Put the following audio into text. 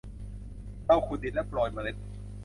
เราขุดดินและโปรยเมล็ด